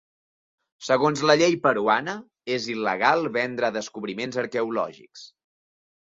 Segons la llei peruana, és il·legal vendre descobriments arqueològics.